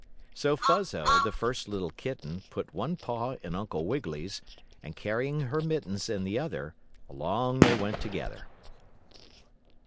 So Fuzzo, the first little kitten, put one paw in Uncle Wiggily's, and carrying her mittens in the other, along they went together.